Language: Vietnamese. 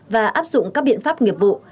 và áp dụng các biện pháp nghiệp vụ